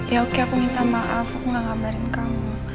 ya oke aku minta maaf aku gak ngabarin kamu